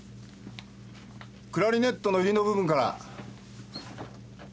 クラリネットの入りの部分から。